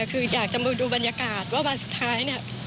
คืออยากจะมาดูบรรยากาศว่าวันสุดท้ายเนี่ย